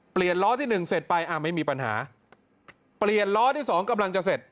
ล้อที่หนึ่งเสร็จไปอ่ะไม่มีปัญหาเปลี่ยนล้อที่สองกำลังจะเสร็จ